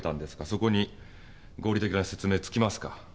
そこに合理的な説明がつきますか？